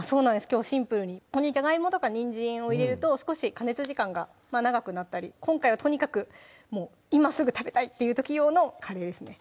きょうシンプルにここにじゃがいもとかにんじんを入れると少し加熱時間が長くなったり今回はとにかくもう今すぐ食べたいっていう時用のカレーですね